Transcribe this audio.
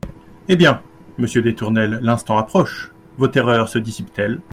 Eh bien ! monsieur des Tournelles, l’instant approche ; vos terreurs se dissipent-elles ?